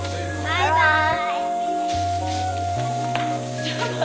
バイバイ。